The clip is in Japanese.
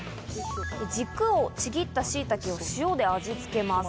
軸をちぎった、しいたけを塩で味付けます。